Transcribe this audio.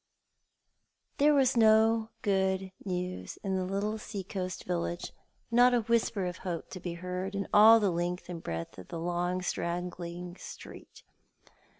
There was no good news in the little sea coast village, not a whisper of hope to be heard in all the length and breadth of the long, straggling streer.